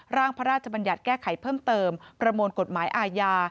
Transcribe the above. ร่างพระราชบัญญัติแก้ไขเพิ่มเติมประมวลกฎหมายอาญา